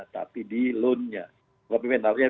tapi di loan nya